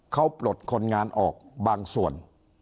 เขาปลดคนงานออกบางส่วน